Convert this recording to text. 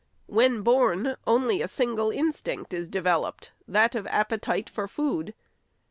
When born, only a single instinct is developed, — that of appetite for food.